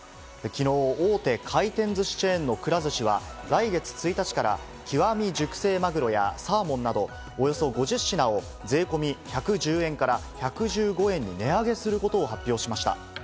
昨日、大手回転ずしチェーンのくら寿司は来月１日から、極み熟成まぐろやサーモンなど、およそ５０品を税込み１１０円から１１５円に値上げすることを発表しました。